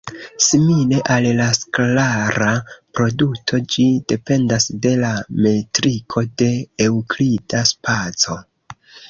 Simile al la skalara produto, ĝi dependas de la metriko de eŭklida spaco.